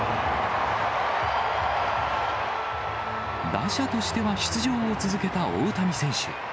打者としては出場を続けた大谷選手。